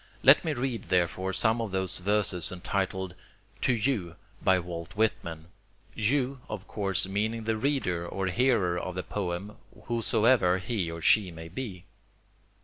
Let me read therefore some of those verses entitled "To You" by Walt Whitman "You" of course meaning the reader or hearer of the poem whosoever he or she may be.